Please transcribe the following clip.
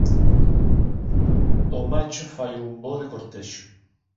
O macho fai un voo de cortexo.